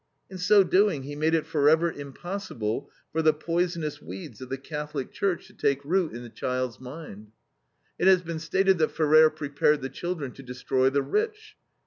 In so doing he made it forever impossible for the poisonous weeds of the Catholic Church to take root in the child's mind. It has been stated that Ferrer prepared the children to destroy the rich.